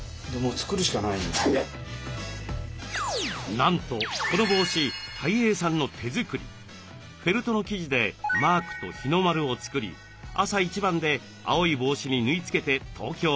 なんとこの帽子フェルトの生地でマークと日の丸を作り朝一番で青い帽子に縫い付けて東京ドームへ。